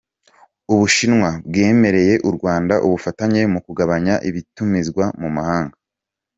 U Bushinwa bwemereye u Rwanda ubufatanye mu kugabanya ibitumizwa mu mahanga.